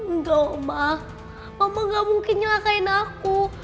enggak oma mama gak mungkin nyelekain aku